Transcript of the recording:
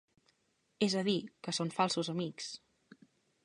És a dir, que són falsos amics.